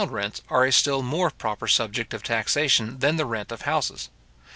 } Ground rents are a still more proper subject of taxation than the rent of houses.